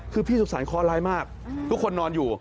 คือพี่สุขสรรคร้ายมากทุกคนนอนอยู่